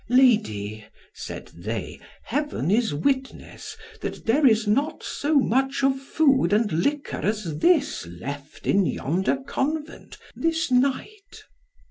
"Lady," said they, "Heaven is witness, that there is not so much of food and liquor as this left in yonder Convent this night."